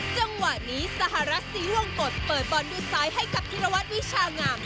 จังหวะนี้สหรัฐศรีวงกฎเปิดบอลด้วยซ้ายให้กับธิรวัตรวิชางาม